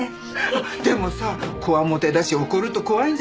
でもさこわもてだし怒ると怖いんじゃないの？